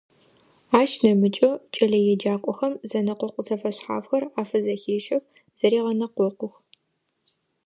Ащ нэмыкӀэу кӀэлэеджакӀохэм зэнэкъокъу зэфэшъхьафхэр афызэхещэх, зэрегъэнэкъокъух.